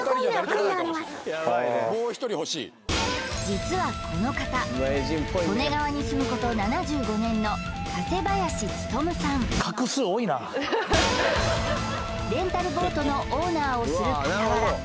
実はこの方利根川に住むこと７５年のレンタルボートのオーナーをするかたわら